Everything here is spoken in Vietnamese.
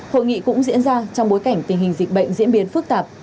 hội nghị cũng diễn ra trong bối cảnh tình hình dịch bệnh diễn biến phức tạp